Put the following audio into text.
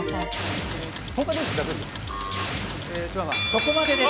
そこまでです。